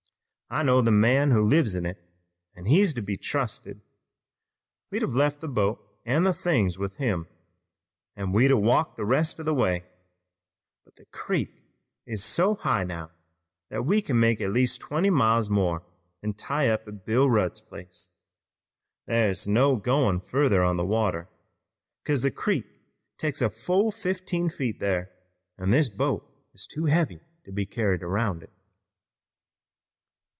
"I know the man who lives in it an' he's to be trusted. We'd have left the boat an' the things with him, an' we'd have walked the rest of the way, but the creek is so high now that we kin make at least twenty miles more an' tie up at Bill Rudd's place. Thar's no goin' further on the water, 'cause the creek takes a fall of fifteen feet thar, an' this boat is too heavy to be carried around it."